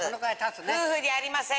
夫婦じゃありません。